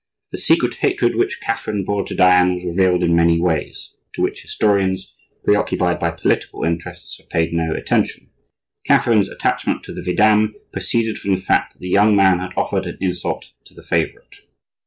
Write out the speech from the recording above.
The secret hatred which Catherine bore to Diane was revealed in many ways, to which historians, preoccupied by political interests, have paid no attention. Catherine's attachment to the vidame proceeded from the fact that the young man had offered an insult to the favorite.